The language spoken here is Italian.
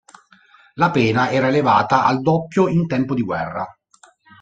La pena era elevata al doppio in tempo di guerra.